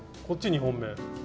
こっち２本め。